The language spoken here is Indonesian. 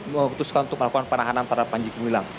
memutuskan untuk melakukan penahanan terhadap panji gumilang